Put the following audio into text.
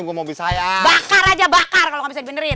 gimana nih mobil saya bakar aja bakar kalau nggak bisa dibenerin